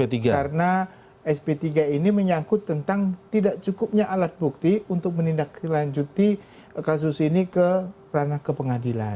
karena sp tiga ini menyangkut tentang tidak cukupnya alat bukti untuk menindaklanjuti kasus ini ke ranah kepengadilan